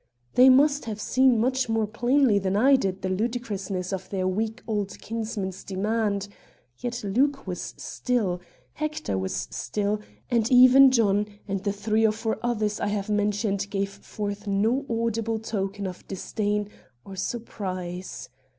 They must have seen much more plainly than I did the ludicrousness of their weak old kinsman's demand; yet Luke was still; Hector was still; and even John, and the three or four others I have mentioned gave forth no audible token of disdain or surprise.